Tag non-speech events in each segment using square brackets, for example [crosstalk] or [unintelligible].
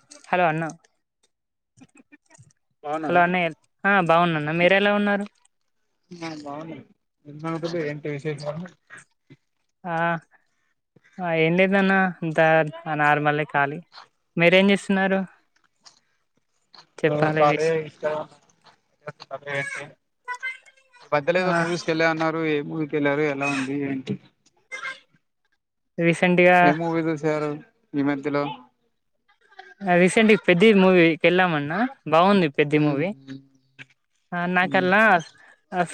ఇది హలో అన్న హలో అన్నయ్య్ ఆ బాగున్నాన్న మీరేలా ఉన్నారు ఆ బాగున్నాను ఏం సంగతులు ఏంటి విశేషాలు ఆ ఆ ఏం లేదన్న అంత నార్మలే ఖాలీ మీరేం చేస్తున్నారు అ చెప్పాలి తాడే విష్ ఇష్ట [unintelligible] మద్దేలో ఎదో ఆ మూవీస్ కెల్లా అన్నారు ఏ మూవీకెళ్ళారు ఎలా ఉంది ఏంటి రీసెంట్ గా ఏ మూవీ చూశారు ఈ మధ్యలో రీసెంట్ గా పెద్ది మూవీకెళ్ళామన్నా బావుంది పెద్ది ఉమ్ మూవీ ఆ ఉమ్ నాకల్లా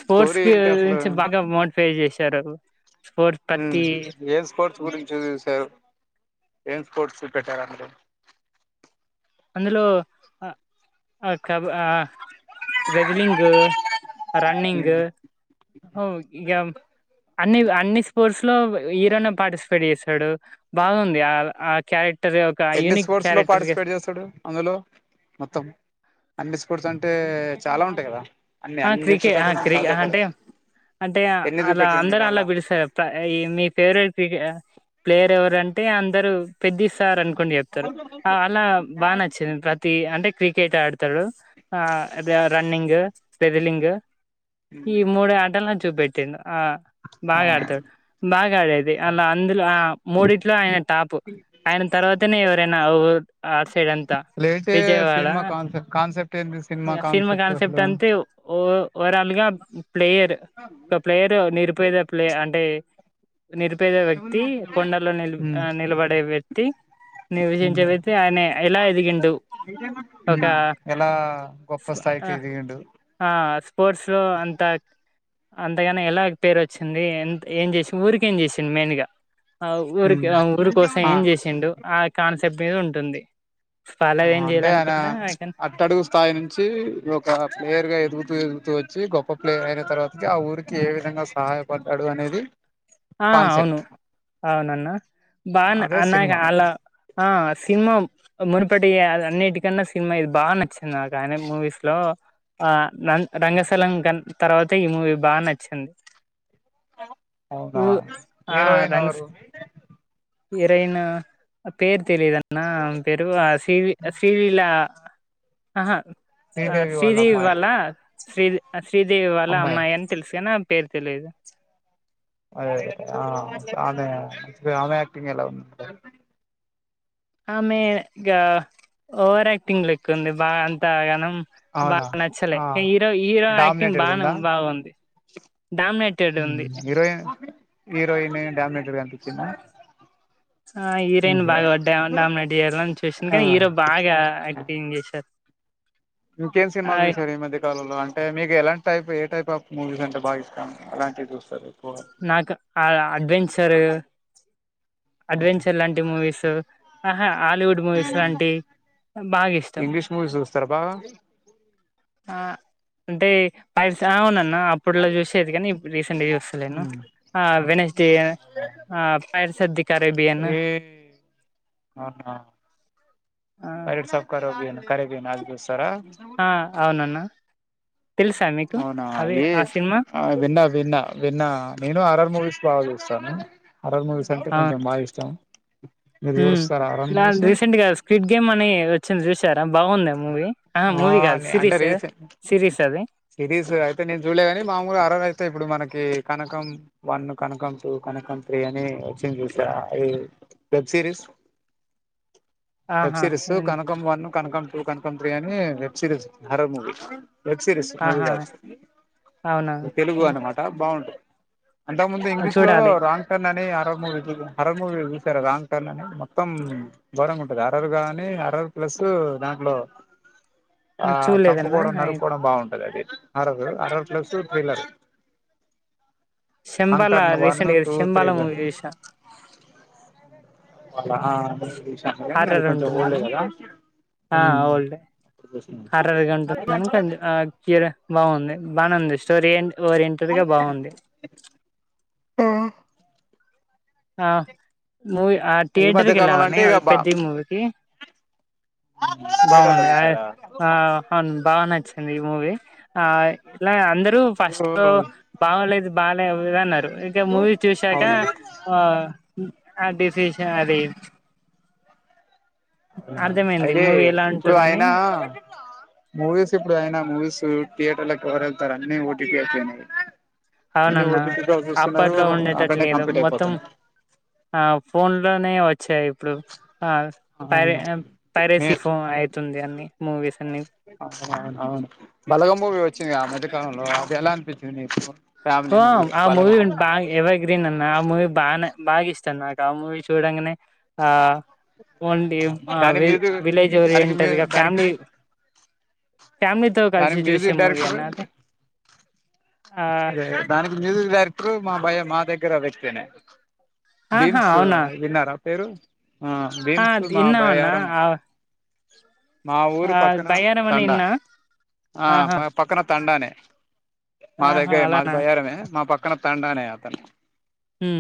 స్పోర్ట్స్ స్టోరీ కి ఏంటి అసలు గురించి బాగా మోడ్ఫై చేసి సారు హ్మ్ ఏం స్పోర్ట్స్ గురించి చూసావు ఏం స్పోర్ట్స్ చూపెట్టారు అందులో అందులో అ ఆ కబ ఆ రెజ్లింగు అ ఉమ్ రన్నింగు ఔ ఇంగం అన్ని అన్ని స్పోర్ట్స్ లో హీరోనే పార్టిసిపేట్ జేస్తాడు బాగుంది ఆ ఆ క్యారె క్టర్ ఒక ఎన్ని యునిక్ స్పోర్ట్స్ లో క్యారెక్టర్ జే పార్టిసిపేట్ చేస్తాడు అందులో మొత్తం అన్ని స్పోర్ట్స్ అంటే చాలా ఉంటాయి గదా ఆ క్రికె ఆ క్రికె అంటే అంటే ఎన్ని అలా చూపెట్టిండు అందరు అలా పిలుస్తారు ప ఈ మీ ఫేవరెట్ క్రికె ప్లేయర్ ఎవరంటే అందరు పెద్ది సార్ అనుకోని చెప్తారు అలా బాగా ఆ నచ్చింది ప్రతి అంటే క్రికెట్ ఆడు తరు ఆ రన్నింగు రెజ్లింగు ఈ మూడు ఆటల్ చూపెట్టిండు బాగా ఆడతాడు బాగా ఆడేది అలా అందులో ఆ మూడిట్లో ఆయన టాపు ఆయన తర్వాతనే ఎవరైనా ఆ ఊరు ఆట్ సైడ్ అంతా లేటే విజయవాడ సినిమా కాన్సెప్ట్ కాన్సెప్ట్ ఏంది సినిమా అసలు కాన్సెప్ట్ అంతే ఓ ఓరాలుగా ప్లేయర్ ఒక ప్లేయర్ నిరుపేద ప్లేయ అంటే నిరుపేదే వ్యక్తి కొండల్లో నిల్ ఉమ్ నిలబడే వ్యక్తి నీ ఉమ్ విబచెబయితే ఆయన ఎలా ఎదిగిండు ఒక ఎలా గొప్పస్తాయికి ఎదిగిండు ఆ స్పోర్ట్స్ లో అంత అంతేగాని ఎలా పేరు వచ్చింది ఎంత ఏం చేసింది ఊరికేం చేసింది మెయిన్ గా ఆ ఉమ్ ఊరికి ఊరి కోసం ఆ ఏం చేసిండు ఆ కాన్సెప్ట్ మీద ఉంటుంది ఫాలోగా ఏం అంటే ఆయన చేయాలనుకుంటా కానీ అట్టడుగు స్థాయి నుంచి ఒక ప్లేయర్ గా ఎదుగు తు ఎగుతూ వచ్చి గొప్ప ప్లేయర్ అయిన తర్వాతకి ఆ ఊరికి ఏ విధంగా సహాయపడ్డాడు అనేది ఆ అవును కాన్సెప్ట్ అవునన్నా బాన్ అదే అన్నగా సినిమా అలా ఆ సింహము మునుపటి అన్నిటికన్నా సినిమా ఇది బాగా నచ్చింది నాకు ఆయన మూవీస్ లో ఆ రంగస్థలం గ తర్వాత ఈ మూవీ బాగా నచ్చింది అవునా ఊ హీరోయిన్ ఎవరు హీరోయిన పేరు తెలీదు అన్న ఆమె పేరు శ్రీ శ్రీలీలా ఆహా ఆ శ్రీదేవి వాళ్ళ శ్రీలీ ఆ శ్రీదేవి వాళ్ళ అమ్మాయి అని తెలుసు కానీ ఆమె పేరు తెలిదు [inaudible] ఆమె ఇంగ ఓవర్ యాక్టింగ్ లెక్క ఉంది బాగా అంతగనం అవునా బాగా నచ్చలే ఆ హీరో హీరో యాక్టింగ్ డామినేటెడ్గా బానే ఉందా బాగుంది డామినేటెడ్ ఉంది హీరోయిన్ హీరోయిన్ డామినేటెడ్ గా అనిపించిందా ఆ హీరోయిన్ బాగా డామినేట్ చెయ్యాలని చూసింది గానీ ఆ కానీ హీరో బాగా యాక్టింగ్ చేశారు ఇంకేం సినిమాల్ చుసారు ఈ మధ్య కాలంలో అంటే మీకు ఎలాంటి టైప్ టైప్ ఆఫ్ మూవీస్ అంటే బాగా ఇష్టం అలాంటివి చూ నాకు ఆ అడ్వెంచరు అడ్వెంచర్ లాంటి మూవీస్ ఆహా హాలీవుడ్ మూవీస్ లాంటివి ఇంగ్లీష్ మూవీస్ చూస్తారా బాగా ఆ అంటే పస అవునన్న అప్పట్లో చూసేది కానీ ఇప్పుడు రీసెంట్గా చూస్తా లేను వెడ్నెస్డే ఫిడ్నెస్ దికరే ఏ అవునా పరడ్ సబ్ కారు బి కరే బీను ఆగదుస్తారా ఆ అవునన్నా అవునా ఈ ఆ విన్న విన్న విన్న నేను హార్రర్ మూవీస్ బాగా చూస్తాను హారర్ మూవీస్ అంటే ఆ కొంచెం బాగా ఇష్టం మీరు ఉమ్ చూస్తారా హర్రర్ మూవీస్ రీసెంట్ గా స్క్విడ్ గేమ్ అని వచ్చింది చూసారా బాగుందా మూవీ ఆ మూవీ కాదు అంటే సిరీస్ రీసెంట్ సిరిస్ అది సిరీస్ అయితే నేను చూడలే కాని మామురు అరజ అయితే ఇప్పుడు మనకి Kanakam one Kanakam two Kanakam three అని వచ్చింది చూసారా వెబ్ సిరిస్ వెబ్ ఆహా సీరీస్ హ్మ్. Kanakam one Kanakam two Kanakam three అని web series horror movie web series movie ఆహా అవునా కాదు తెలుగు హ్మ్. అనమాట బాగుంటది అంతకు ముందు ఇంగ్లీష్ లో చూడాలి రాంగ్ టర్న్ అని ఆ మూవీ హార్రర్ మూవీ చూసారు రాంగ్ టర్న్ అని మొత్తం గోరంగా ఉంటది హార్రరు గాని హార్రర్ ప్లస్ దాంట్లో ఆ హ్మ్. చూడలేదన్నా చంపుకోవడం అయి నరుకోవడం బాగుంటుంది అది అదే horror horror plus thriller Shambhala wrong turn one recent గా టూ శంబాల త్రీ మూవీ చూసా అది హార్రర్ కొంచెం ఓల్డ్ ఉంటుందని కదా ఆ ఓల్డే హార్రర్ గా ఉంటుందని ర్ బాగుంది బానేవుంది స్టోరీ ఏంటి ఓరియెంటెడ్ గా బాగుంది ఆ మూవీ ఆ ఈ మధ్య థియేటర్కి కాలంలో వెళ్ళమండి అంటే ఇక బా పెద్ద మూవీకి థియేటర్లో బాగుంది చూసారా ఆ అవును బాగ నచ్చింది వుంది మూవీ ఆ ఇలా అందరూ ఫస్ట్ ఇప్పుడు లో బాగా లేదు బాగా దన్నారు ఇంకా మూవీ చూసాక అవును ఆ డిసిషన్ అదే అయితే మూవీ ఎలా ఇప్పుడు ఉంటుందని అయినా మూవీస్ ఇప్పుడు అయినా మూవీస్ థయేటర్ల వరళ్తార అన్న ఓటి అచ్చ నీ అవునన్నా ఓటిపి కాల్ చేస్తున్న అప్పట్లో అట్లనే ఉండేటట్లేదు కంప్లీట్ మొత్తం అయిపోతున్నాయి ఆ ఫోన్ లోనే వచ్చాయి ఇప్పుడు ఆ పరే పైరసీ మే ఫో అయితుంది అన్ని మూవీస్ అన్ని అవును అవును అవును బలగం మూవీ వచ్చిందిగా ఆ మధ్యకాలంలో అది ఎలా అనిపించింది నీకు ఫ్యామిలీ ఓ మూవీ ఆ మూవి బలగం బా ఎవర్గ్రీన్ అన్న ఆ మూవి బా న భాగిష్టం నాకు ఆ మూవి చూడంగనే ఆ ఓన్లీ దాని వి మ్యూజిక్ విలేజ్ దానికి మ్యూ ఓరియంటర్గా దానికి ఫ్యామిలీ ఫ్యామిలీతో కలిసి దానికి చూసే మ్యూజిక్ మూవీ డైరెక్టర్ అన్న అది ఆ దానికి మ్యూజిక్ డైరెక్టర్ మా భయ మా దగ్గర వ్యక్తేనే ఆహా భీమ్స్ అవునా విన్నారా పేరు ఆ ఆ భీమ్స్ మా ఇన్నాం అన్న బయ్యారం ఆ మా ఊరు ఆ పక్కన బయ్యారం అని తండా ఇన్నా ఆ ఆహా ప పక్కన తండానే మా ఆహా దగ్గరే మాది అలానా బయ్యారమే మా పక్కన తండానే అతను ఉ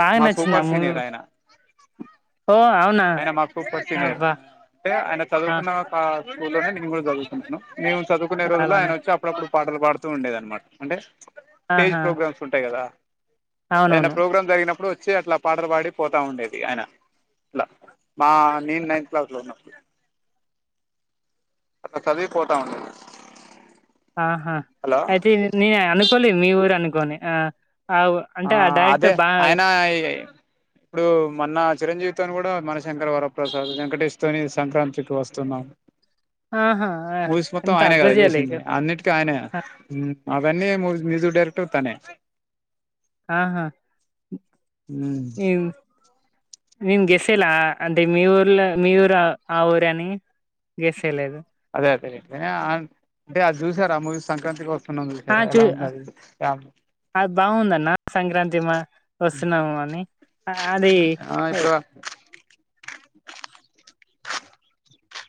బాగా మా నచ్చింది ఆ సూపర్ ముూవి సీనియర్ ఆయన ఆయన మాకు కొచ్చిదార్ అబ్బా అంటే ఆయన ఆ చదువుకున్న స్కూల్లో నే నేను కూడా చదువుకొంటున్నా మేము చదుకునే రోజుల్లో అలానా అయిన వచ్చి అప్పుడప్పుడు పాటలు పాడుతూ ఉండేది అనమాట అంటే స్టేజ్ ఆహా ప్రోగ్రామ్స్ ఉంటాయి కదా ఏదైనా అవునవును ప్రోగ్రాం జరిగినప్పుడు వచ్చి అట్లా పాటలు పాడి పోతా ఉండేది ఆయన ట్లా మా నేను నైన్త్ క్లాస్లో ఉన్నప్పుడూ అట్లా చదివిపోతా ఉండేది ఆహా హలో అయితే నేను అనుకోలే మీ ఊరు అనుకోని ఆ అవు ఆ అంటే డైరెక్ట్ అదే బా ఆయన ఈ ఇప్పుడు మొన్న చిరంజీవి తోనీ కూడా మన శంకరవరప్రసాద్ వెంకటేష్ తోని సంక్రాంతికి వస్తున్నాం ఆహా మూవీస్ మొత్తం ఎంత ఆయనే కదా అబ్జర్వ్ చేయలే ఇక చేసింది అన్నిటికీ ఆయన హు అవన్నీ మూ మ్యూజిక్ డైరెక్టర్ తనే ఆహా ఉమ్ ఇవ్ నేన్ గెస్సెలా అంటే మీ ఊర్లో మీ ఊరు ఆ ఊరని గెస్చేలేదు అదే అదే అంటే ఏ అది చూసారా ఆ మూవీస్ సంక్రాంతికి వస్ స్తున్నాం ఆ ఎలా చూ ఎలా ఉంది అది అది బాగుందన్న సంక్రాంతి మా వస్తున్నాము అని అది ఆ ఇప్పుడు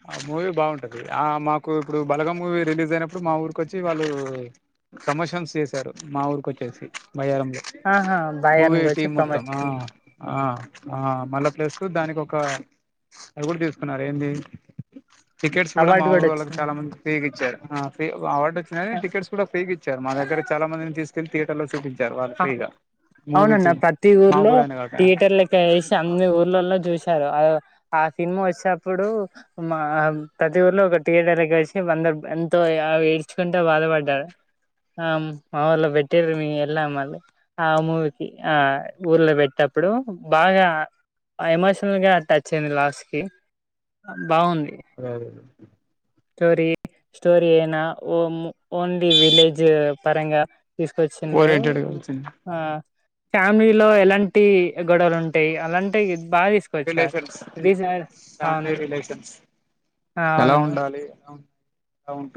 ఆ మూవీ బాగుంటది ఆ మాకు ఇప్పుడు బలగం మూవీ రిలీజ్ అయినప్పుడు మా ఊరికొచ్చి వాళ్ళు ప్రమోషన్స్ చేసారు మా ఊరికోచ్చేసి బయ్యారం ఆహా బాయ్ మూవీ అనుకోచ్చి టీమ్ మొత్తం ఆ ప్రమోషన్ ఆ ఆ మళ్ళా ప్లేస్సు దానికి ఒక అదిగూడ తీసుకున్నారు ఏంది టికెట్స్ కూడా మా ఊరోళ్ళకి చాలా మందికి ఫ్రీ గీచ్చారు హా ఫ్రీ అవార్డ్ ఒచ్చిందనీ వచ్చింది టికెట్స్ కూడా ఫ్రీ గిచ్చారు మా దగ్గర చాలా మందిని తీసుకెళ్లి థియేటర్ లో చూపించారు వాళ్ళని ఫ్రీగా అవునన్న మూవీకి ప్రతి మా ఊర్లో ఊరని కాక థియేటర్ లెక్క ఏసి అన్ని ఊర్లలో చూస్ ఆ ఆ సినిమా వచ్చినప్పుడు మా ప్రతి ఊర్లో ఒక థియేటర్ లెక్క ఏషి బంద ఎంతో అవ ఏడ్చుకుంట బాధపడ్డారు ఆ మా ఊళ్ళ పెట్టీర్ మేం ఎల్లం మరి ఆ మూవికి ఆ ఊర్లో పెట్టినప్పుడు బాగా ఎమోషనల్గా టాచ్ అయింది లాస్ట్ కి బాగుంది అదే అదే స్టోరీ స్టోరీ అయినా ఓన్లీ విలేజ్ పరంగా తీసుకొచ్చిండు ఓరియంటెడ్ గా వచ్చింది ఆ ఫ్యామిలీలో ఎలా అంటి గొడవలు ఉంటాయి అలా అంటి ఈ బాగా తీసుకోచ్చార్ రిలేషన్స్ తీసిన కూడ ఫ్యామిలీ అవును రిలేషన్స్ ఎలా అవును ఉండాలి ఎలా ఉ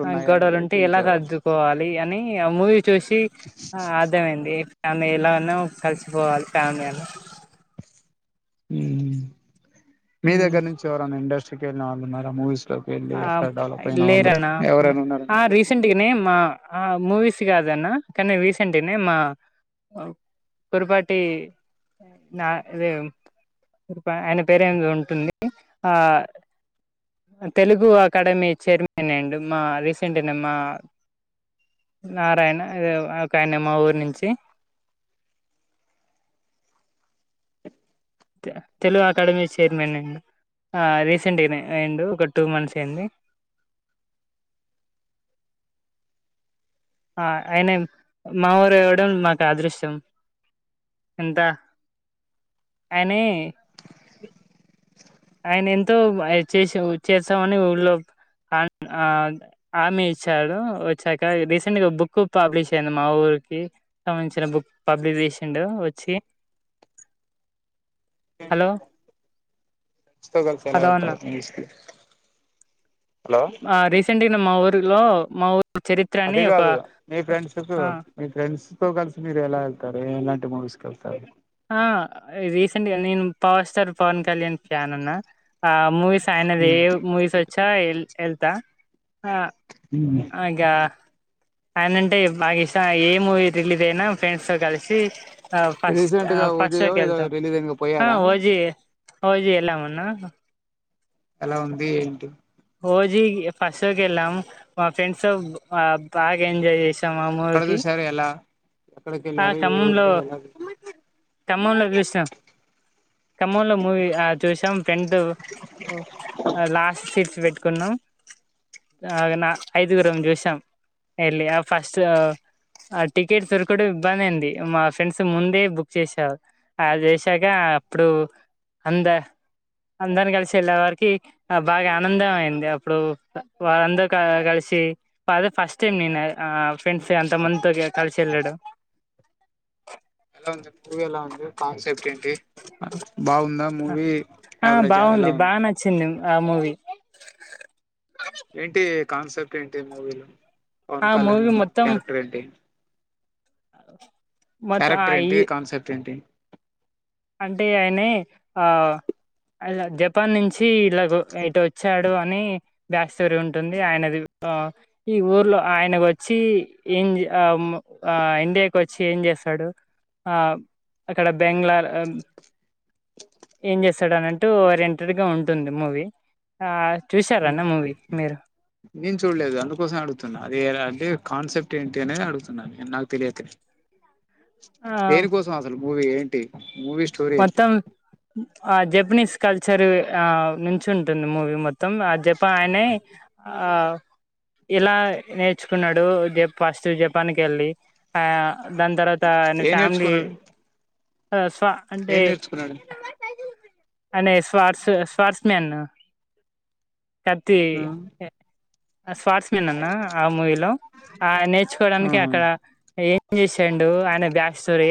ఆ గొడవలు ఉంటే ఎలా సర్దుకోవాలి అని అ మూవీ చూసి ఆ అర్దమై అయింది ఫ్యామిలను కలిసిపోవాలి కామియను మీ దగ్గర నుంచి ఎవర అన్నా ఇండస్ట్రీకి వెళ్ళిన వాళ్ళు ఉన్నారా మూవీస్ లోకి వెళ్ళి ఆ అట్లా డెవలప్ ఇద్ అయిన లేర వాళ్ళు అన్నా ఎవరైనా ఉన్నారా ఆ ఫ్రెండ్స్ రీసెంట్గానే మా ఆ మూవీస్ కాద అన్న కానీ రీసెంట్నే మా కురుపాటి నా ఇదే పా ఆయన పేరే ఏమీదో ఉంటు ఉంది ఆ తెలుగు అకాడమీ చైర్మన్ అండ్ మా రీసెంట్నే మా నారాయణ ఒక ఆయన మా ఊరు నుంచి [inaudible] తెలుగు అకాడమీ చైర్మన్ అండి ఆ రీసెంట్ అయినా అండు ఒక టూ మంత్స్ ఏ అయింది [inaudible] ఆ అయిన మా ఊరు ఇవ్వడం మాకు అదృశం ఎంత అయ్ ని ఆయన ఎంతో అయ్ చేసావు చేస్తావ్ అని ఊళ్ళో ఆర్మీ ఇచ్చాడు వచ్చాక రీసెంట్గా బుక్ పబ్లిష్ అయింది మా ఊరు రుకి సంబంధించిన బుక్ పబ్లిష్ చేసిండు వచ్చి హలో [inaudible] ఇస్తగల్ఫ్ ఎలా హలో ఎల్ అన్న తారు ఇంగ్లీష్కి ఆ రీసెంట్ మా ఊర్లో మా ఊరు చరిత్ర అని అది ఒక కాదు మీ ఫ్రెండ్స్ కు ఆ మీ ఫ్రెండ్స్ తో కలిసి మీరు ఎలా వెళ్తారు ఎలాంటి మువిస్ కి వేల్తారు ఆ రీసెంట్ గా నేను power star Pawan Kalyan fan అన్నా ఆ మూవీస్ ఆయనది ఏ మూవీస్ వచ్చా వెళ్తా అ ఆ ఇగా ఆయన అంటే బాగా ఇష్టం ఏ మూవీ రిలీజ్ అయినా ఫ్రెండ్స్ తో కలిసి అ ఫస్ట్ రీసెంట్ ఆ గా ఫస్ట్ షో ఉదయో ఏదో కేళ్తాం రిలీజ్ అయింది కదా, ఆ పోయారా హోజీ హోజీ ఎలా మ అన్నా ఎలా ఉంది ఏంటి ఓజీ కి ఫస్ట్ షో కి వేళ్ళాం మ్ మా ఫ్రెండ్స్ అ బాగా ఎంజాయ్ చేసి ఎక్కడ చూశారు ఎలా ఎక్కడకి వెళ్ళారు ఏ ఊరు ఎలా తమ్మంలో చూశాం మ్ ఖమ్మం లో మూవీ ఆ చూసాం ఫ్రెండ్ లాస్ట్ తీర్చి వేట్ ట్కున్నా మ్ ఆ నిన్న ఐదుగురుంమ్ చూషాం ఎల్లి ఆ ఫస్ట్ ఆ టికెట్ దొరుగు ఇప్పుడు ఇబ్బంది అయింది మా ఫ్రెండ్స్ ముందే బుక్ చేసారు అ చేసాక అప్పుడు అంద అందరు కలిసి వెళ్ళే వారికి బాగా ఆనందం అయింది అప్పుడు వారఅందరూ కలిసి చే అదే ఫస్ట్ టైమ్ నేను ఆ ఫ్రెండ్స్ అంత మందితో కలిసి వెళ్ళడం మ్ ఎలా ఉంది పూవు ఎలా ఉంది కాన్సెప్ట్ ఏంటి బాగు ఉందా మూవీ ఆ యావరేజా ఎలా బాగుంది ఉంది బాగా నచ్చింది ఆ మూవి ఏంటి కాన్సెప్ట్ ఏంటి మూవీలో పవన్ ఆ కళ్యాణ్ మూవీ మొత్తం క్యారెక్టర్ ఏంటి మొత్తం ఆ క్యారెక్టర్ ఏంటి ఈ కాన్సెప్ట్ ఏంటి అంటే ఆయనే ఆ ఆయన జపాన్ నుంచి ఇలాగో ఇటు వచ్చాడు అని బ్యాక్ స్టోరీ ఉంటుంది ఆయనది ఆ ఈ ఊర్లో ఆయనకు వచ్చి ఏంది ఆ మ ఆ ఇండియాకి వచ్చి ఏం చేద్ సడు ఆ అక్కడ బెంగ్లాల ఆ ఏం చేస్తాడుఅనంటూ ఒరియంటెడ్ గా ఉంటుంది మూవీ ఆ చూసారన్న మూవీ మీరు నేను చూడలేదు అందుకోసమే అడుగుతున్నా అదేరా అంటే కాన్సెప్ట్ ఏంటి అనేది అడుగుతున్నాను నేను నాకు తెలియక ఆ దేనికోసం అసలు మూవి ఏంటి మూవీ స్టోరీ ఏంటి మొత్తం ఆ జబ్ జపెనీస్ కల్చర్ ఆ నుంచి ఉంటుంది మూవీ మొత్తం ఆ జపాన్ ఆయనే ఆ ఎలా నేర్చుకున్నాడు జ ఫస్ట్ జపాన్ కి వెళ్ళి ఆ దాని తర్వాత నీ ఏం ఫ్యామిలీ నేర్చుకున్నాడు స్వా ఏం నేర్చుకున్నాడు అ స్వార్స స్వాార్సమెన్ కత్తి ఆ స్వార్స్ ఉనిందన్న ఆ మూవిలో ఆ నేర్చుకోడానికి ఆహా అక్కడ ఏం చేసి చెండు ఆయన బ్యాక్ స్టోరీ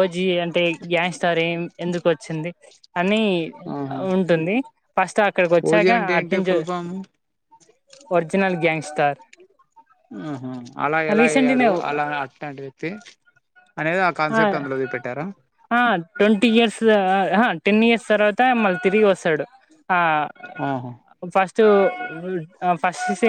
ఓజీ అంత గ్యాస్టార్ ఏం ఎందుకు వచ్చింది అని ఆహా ఉంటుంది ఫస్ట్ అక్కడికి ఓజీ వచ్చాక అంటే అట్ ఏంటి నుంచి full form original gangster ఉం అలా ఎలా అ య్యాడు అలా అట్టంటి వ్యక్తి అనేది ఆ కాన్సెప్ట్ అందులోది పెట్టారా ఆ ట్వంటీ ఇయర్స్ అహ టెన్ ఇయర్స్ తర్వాత మళ్ళీ తిరిగి వస్తాడు ఆ ఆహా ఫస్టు అ ఫస్ట్ సీన్